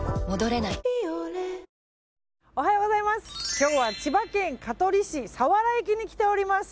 今日は千葉県香取市佐原駅に来ております。